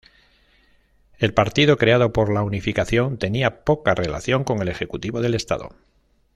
El Partido creado por la Unificación tenía poca relación con el ejecutivo del Estado.